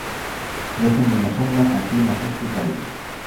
Crecen en la sombra con clima fresco y cálido.